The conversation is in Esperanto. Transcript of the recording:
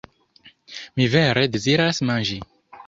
Mi vere deziras manĝi.